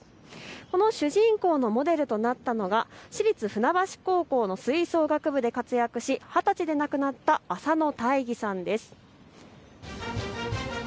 この主人公のモデルとなったのは市立船橋高校の吹奏楽部で活躍し、二十歳で亡くなった浅野大義さんです。